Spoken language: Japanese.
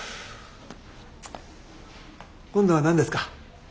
今度は何ですか？